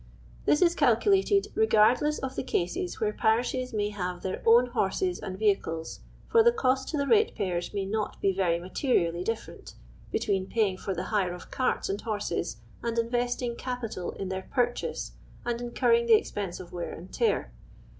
This is calculated legardlessof the coses where parishes may have their own horses and vehicles, for the cost to the ratejKiycrs moy not be very materially different, between paying for the hire of carts and horsi.s, and investing capital in their purchase and incurring the ex|»ense of wear and tear.